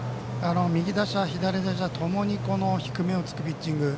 右打者、左打者ともに低めをつくピッチング。